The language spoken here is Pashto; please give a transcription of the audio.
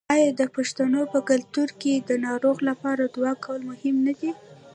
آیا د پښتنو په کلتور کې د ناروغ لپاره دعا کول مهم نه دي؟